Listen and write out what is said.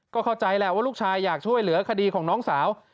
ก็เข้าใจแหละว่าลูกชายอยากช่วยเหลือคดีของน้องสาว